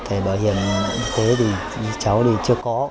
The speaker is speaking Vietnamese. thẻ bảo hiểm y tế thì cháu thì chưa có